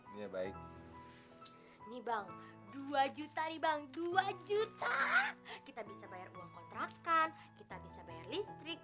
ini baik nih bang dua juta nih bang dua juta kita bisa bayar uang kontrakan kita bisa bayar listrik